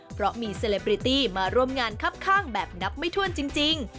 เพราะมีเซลปริตี้มาร่วมงานคับข้างแบบนับไม่ถ้วนจริง